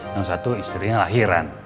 yang satu istrinya lahiran